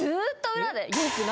裏で。